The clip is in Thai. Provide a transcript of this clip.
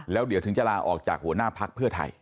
แล้วเดี๋ยวถึงจะลาออกจากหัวหน้าพักเพื่อไทย